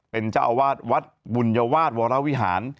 เป็นเจ้าอาวาสวัดบุญวาสวรวิหาร